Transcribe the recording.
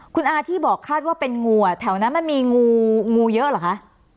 คุณอาที่บอกคาดว่าเป็นงูอ่ะแถวนั้นมันมีงูงูเยอะเหรอคะ